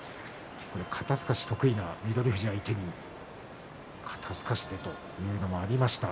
肩すかしが得意な翠富士相手に肩すかしでという場面もありました